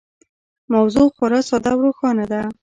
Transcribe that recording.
موضوع خورا ساده او روښانه ده.